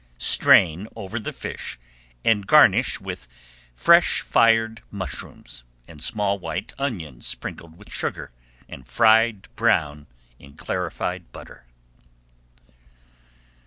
Strain over the fish and garnish with fresh fried mushrooms and small white onions sprinkled with sugar and fried brown in clarified butter.